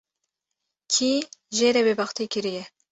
Kî jê re bêbextî kiriye